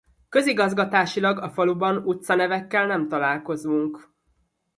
Közigazgatásilag a faluban utcanevekkel nem találkozunk.